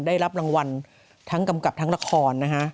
ได้รับรางวัลทั้งกำกับทั้งละครนะฮะ